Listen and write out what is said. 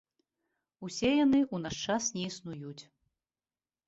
Усе яны ў наш час не існуюць.